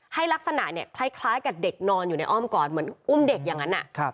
ลักษณะเนี่ยคล้ายกับเด็กนอนอยู่ในอ้อมก่อนเหมือนอุ้มเด็กอย่างนั้น